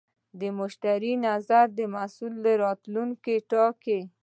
د مشتری نظر د محصول راتلونکی ټاکي.